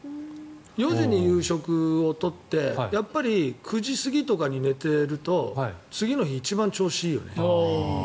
４時に夕食を取って９時過ぎとかに寝てると次の日一番調子がいいよね。